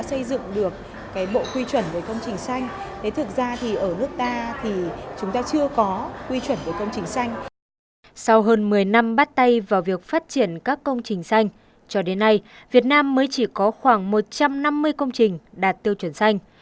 sau hơn một mươi năm bắt tay vào việc phát triển các công trình xanh cho đến nay việt nam mới chỉ có khoảng một trăm năm mươi công trình đạt tiêu chuẩn xanh